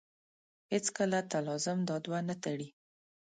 هېڅکله تلازم دا دوه نه تړي.